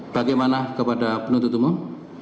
bagaimana kepada penuntut umum